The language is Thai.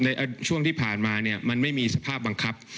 ในช่วงที่ผ่านมามันไม่มีสภาพบังคับ